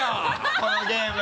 このゲーム。